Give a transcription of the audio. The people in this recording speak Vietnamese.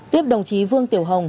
tiếp đồng chí vương tiểu hồng